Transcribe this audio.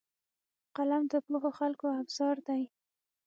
قلم د پوهو خلکو ابزار دی